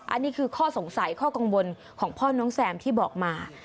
อันนี้คือข้อสงสัยข้อกังวลของพ่อน้องแซมที่บอกมา